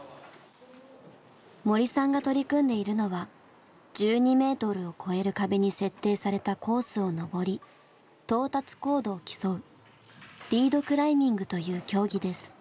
森さんが取り組んでいるのは１２ｍを超える壁に設定されたコースを登り到達高度を競うリードクライミングという競技です。